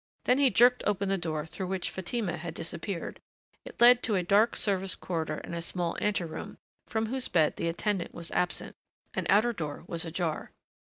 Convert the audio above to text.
Then he jerked open the door through which Fatima had disappeared; it led to a dark service corridor and small anteroom, from whose bed the attendant was absent. An outer door was ajar.